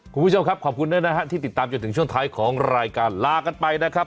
คุณผู้ชมครับขอบคุณด้วยนะฮะที่ติดตามจนถึงช่วงท้ายของรายการลากันไปนะครับ